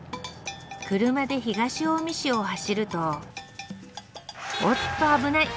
車で東近江市を走るとおっと危ない！